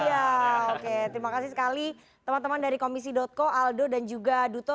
iya oke terima kasih sekali teman teman dari komisi co aldo dan juga duto